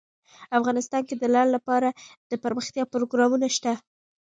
افغانستان کې د لعل لپاره دپرمختیا پروګرامونه شته.